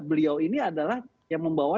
beliau ini adalah yang membawa